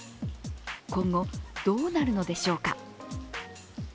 今後、どうなるのでしょうか。